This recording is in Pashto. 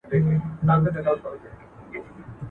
ښايستو نجونو به گرځول جامونه.